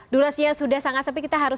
durasinya sudah sangat sepi kita harus